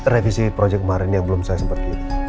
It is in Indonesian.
revisi project kemarin yang belum saya sempat